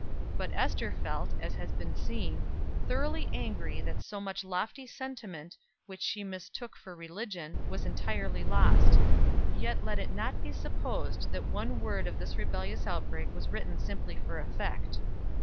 But Ester felt, as has been seen, thoroughly angry that so much lofty sentiment, which she mistook for religion, was entirely lost Yet let it not be supposed that one word of this rebellious outbreak was written simply for effect.